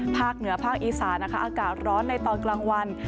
ภาคเหนือภาคอีสานนะคะอากาศร้อนในตอนกลางวัน